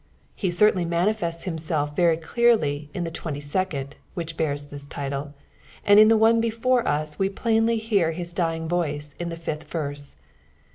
He eeriainfy matufesta hinadf very dearly in the twnigsecond, ahieh heart thle tUle ; and in the one b^are vs we plainly hear hia dying voice In the fifth verse.